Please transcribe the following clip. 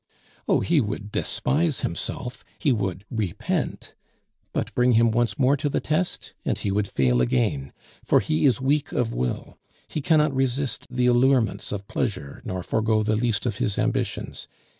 Oh, he would despise himself, he would repent; but bring him once more to the test, and he would fail again; for he is weak of will, he cannot resist the allurements of pleasure, nor forego the least of his ambitions.